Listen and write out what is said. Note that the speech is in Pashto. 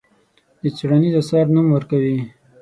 د څېړنیز اثر نوم ورکوي.